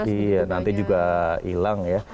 iya nanti juga hilang ya